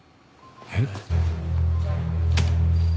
えっ？